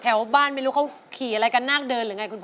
แถวบ้านไม่รู้เขาขี่อะไรกันนาคเดินหรือไงคุณพ่อ